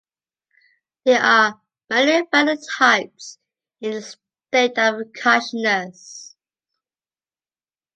There are many phenotypes in the state of consciousness.